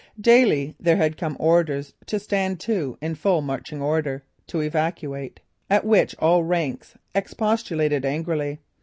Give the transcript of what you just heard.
Daily there had come orders to "Stand to" in full marching order, to evacuate; at which all ranks expostulated angrily.